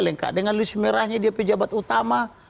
lengkap dengan luis merahnya dia pejabat utama